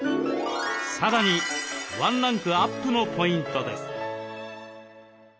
さらにワンランクアップのポイントです。